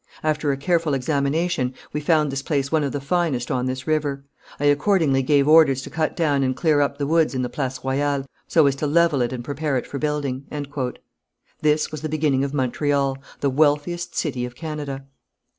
After a careful examination, we found this place one of the finest on this river. I accordingly gave orders to cut down and clear up the woods in the Place Royale, so as to level it and prepare it for building." This was the beginning of Montreal, the wealthiest city of Canada.